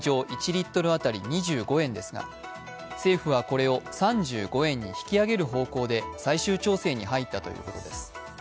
１リットル当たり２５円ですが、政府はこれを３５円に引き上げる方向で最終調整に入ったということです。